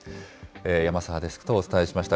山澤デスクとお伝えしました。